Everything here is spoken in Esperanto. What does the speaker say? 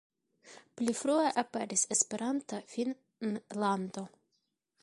Pli frue aperis "Esperanta Finnlando".